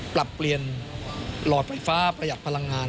ปรับเปลี่ยนหลอดไฟฟ้าประหยัดพลังงาน